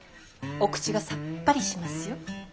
お口がさっぱりしますよ。